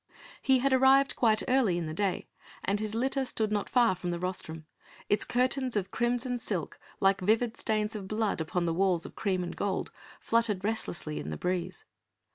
He had arrived quite early in the day and his litter stood not far from the rostrum; its curtains of crimson silk, like vivid stains of blood upon the walls of cream and gold, fluttered restlessly in the breeze.